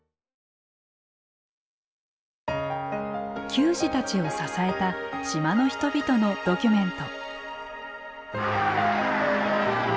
球児たちを支えた島の人々のドキュメント。